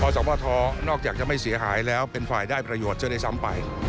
สวทนอกจากจะไม่เสียหายแล้วเป็นฝ่ายได้ประโยชน์ซะด้วยซ้ำไป